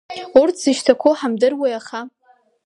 Урҭ зышьҭақәоу ҳамдыруеи, аха…